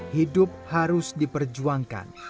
hidup harus diperjuangkan